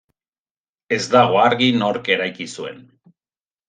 Ez dago argi nork eraiki zuen.